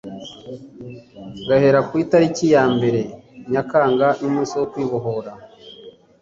gahera ku itariki ya mbere nyakanga numunsi wo kwibohora